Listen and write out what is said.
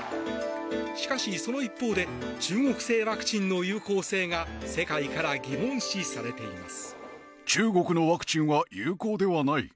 しかし、その一方で中国製ワクチンの有効性が世界から疑問視されています。